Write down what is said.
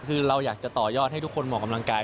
คือเราอยากจะต่อยอดให้ทุกคนออกกำลังกาย